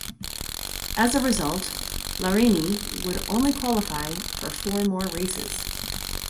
As a result, Larini would only qualify for four more races.